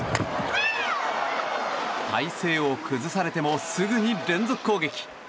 体勢を崩されてもすぐに連続攻撃。